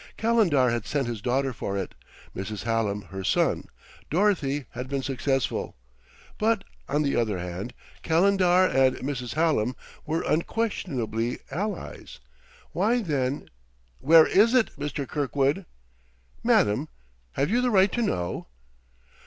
Calendar had sent his daughter for it, Mrs. Hallam her son; Dorothy had been successful ... But, on the other hand, Calendar and Mrs. Hallam were unquestionably allies. Why, then ? "Where is it, Mr. Kirkwood?" "Madam, have you the right to know?"